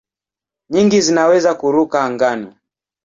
Nyingi zinaweza kuruka angani.